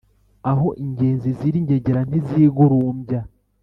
Aho ingenzi ziri ingegera ntizigurumbya